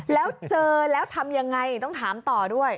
แล้วเจอแล้วทำยังไงต้องถามต่อด้วย